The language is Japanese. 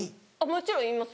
もちろん言います。